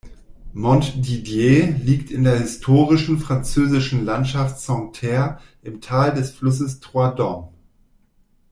Montdidier liegt in der historischen französischen Landschaft Santerre im Tal des Flusses Trois Doms.